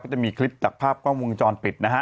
จะมีคลิปจากภาพกล้องวงจรปิดนะฮะ